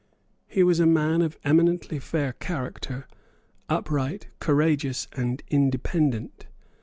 He was a man of eminently fair character, upright, courageous and independent.